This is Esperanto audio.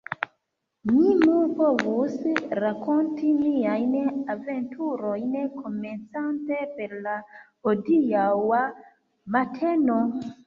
Mi nur povus rakonti miajn aventurojn komencante per la hodiaŭa mateno,.